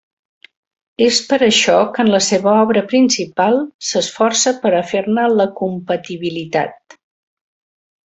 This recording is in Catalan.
És per això que en la seva obra principal s'esforça per a fer-ne la compatibilitat.